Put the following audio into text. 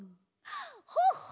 ほっほ！